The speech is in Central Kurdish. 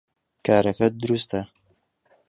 کارەکەت دروستە